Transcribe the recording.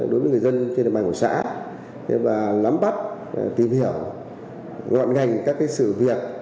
đối với người dân trên đời mạng của xã và lắm bắt tìm hiểu ngọn ngành các sự việc